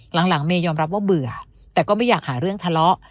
หลังเมย์ยอมรับว่าเบื่อแต่ก็ไม่อยากหาเรื่องทะเลาะ